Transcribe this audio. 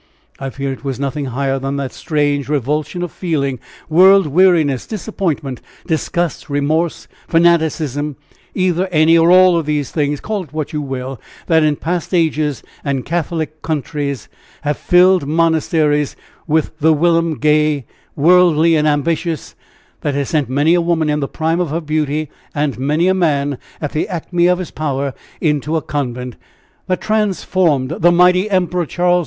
I fear it was nothing higher than that strange revulsion of feeling, world weariness, disappointment, disgust, remorse, fanaticism either, any, or all of these, call it what you will, that in past ages and Catholic countries have filled monasteries with the whilom, gay, worldly and ambitious; that has sent many a woman in the prime of her beauty and many a man at the acme of his power into a convent; that transformed the mighty Emperor Charles V.